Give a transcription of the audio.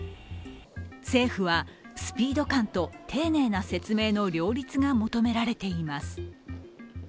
政府はスピード感と丁寧な説明の両立が求められています。